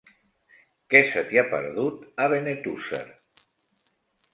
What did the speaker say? Què se t'hi ha perdut, a Benetússer?